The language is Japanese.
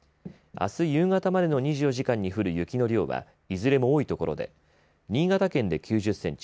あす夕方までの２４時間に降る雪の量はいずれも多い所で新潟県で９０センチ